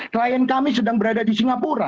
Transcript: klien kami sedang berada di singapura